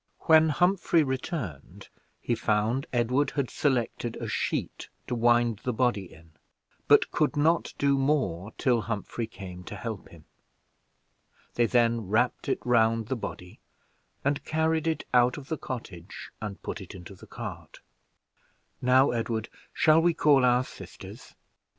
When Humphrey returned, he found Edward had selected a sheet to wind the body in, but could not do more till Humphrey came to help him. They then wrapped it round the body, and carried it out of the cottage, and put it into the cart. "Now, Edward, shall we call our sisters?"